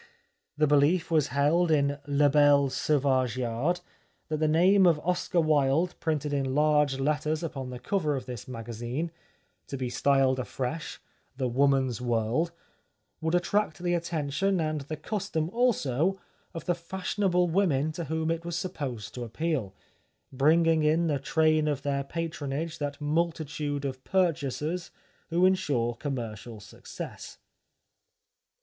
The belief was held in La Belle Sauvage Yard that the name of Oscar Wilde printed in large letters upon the cover of this magazine — to be styled afresh : The Woman's 266 The Life of Oscar Wilde World — would attract the attention and the custom also of the fashionable women to whom it was supposed to appeal, bringing in the train of their patronage that multitude of purchasers, who ensure commercial success.